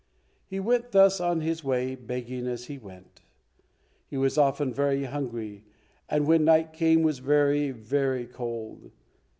He went thus on his way, begging as he went. He was often very hungry, and when night came, was very, very cold.